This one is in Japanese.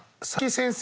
先生